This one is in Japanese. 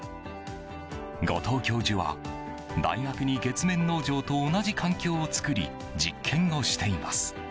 後藤教授は大学に月面農場と同じ環境を作り実験をしています。